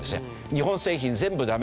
日本製品全部ダメ。